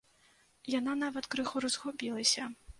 Яна нават крыху разгубілася.